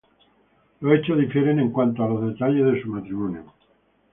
Los hechos difieren en cuanto a los detalles de su matrimonio.